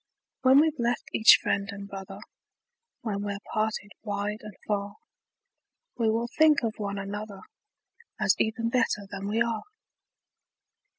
When we've left each friend and brother, When we're parted wide and far, We will think of one another, As even better than we are.